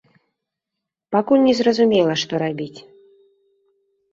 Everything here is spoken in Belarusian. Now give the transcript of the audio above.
Пакуль не зразумела, што рабіць.